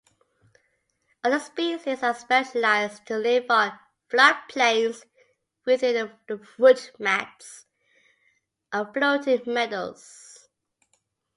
Other species are specialized to live on floodplains within the rootmats of floating meadows.